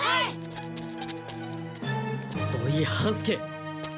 土井半助。